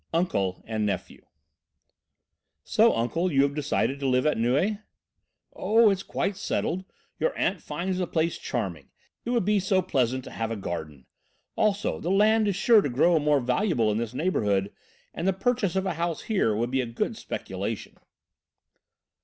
XXX UNCLE AND NEPHEW "So, uncle, you have decided to live at Neuilly?" "Oh, it's quite settled. Your aunt finds the place charming, and besides, it would be so pleasant to have a garden. Also, the land is sure to grow more valuable in this neighbourhood and the purchase of a house here would be a good speculation!"